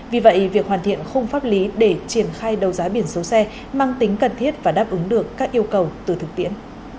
vì vậy việc hoàn thiện khung pháp lý để triển khai đấu giá biển số xe mang tính cần thiết và đáp ứng được các yêu cầu từ thực tiễn